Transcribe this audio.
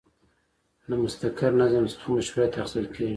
له مستقر نظم څخه مشروعیت اخیستل کیږي.